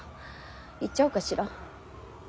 言っちゃおうかしら。